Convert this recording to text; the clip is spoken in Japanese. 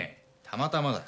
たまたまだ。